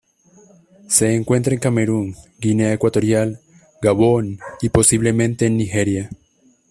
Se encuentra en Camerún, Guinea Ecuatorial, Gabón y, posiblemente en Nigeria.